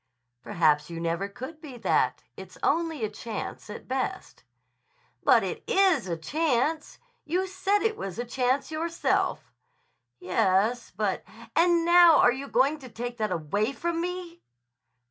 "Perhaps you never could be that. It's only a chance at best." "But it is a chance. You said it was a chance yourself." "Yes; but—" "And now are you going to take that away from me?"